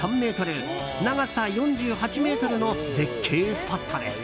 長さ４８ｍの絶景スポットです。